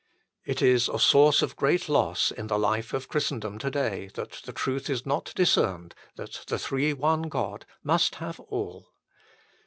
It is a source of great loss in the life of Christendom to day that the truth is not dis cerned, that the Three One God must have All.